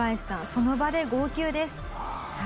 その場で号泣です。